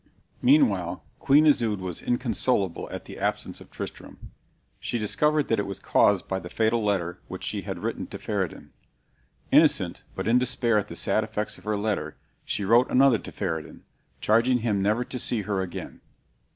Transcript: Meanwhile Queen Isoude was inconsolable at the absence of Tristram. She discovered that it was caused by the fatal letter which she had written to Pheredin. Innocent, but in despair at the sad effects of her letter, she wrote another to Pheredin, charging him never to see her again.